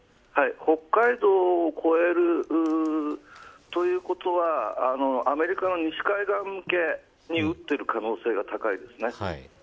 北海道を越えるということはアメリカの西海岸向けに撃っている可能性が高いですね。